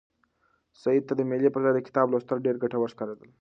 سعید ته د مېلې پر ځای د کتاب لوستل ډېر ګټور ښکارېدل.